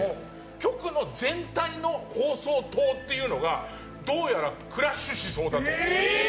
局の全体の放送塔っていうのがどうやらクラッシュしそうだと。